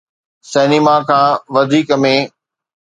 cinema کان وڌيڪ ۾